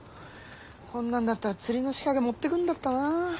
こんなんだったら釣りの仕掛け持ってくんだったな。